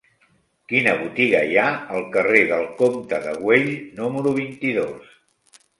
Quina botiga hi ha al carrer del Comte de Güell número vint-i-dos?